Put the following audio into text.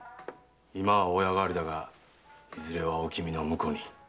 今は親代わりだがいずれはおきみの婿に。